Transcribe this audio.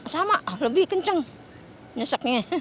sama lebih kenceng nyeseknya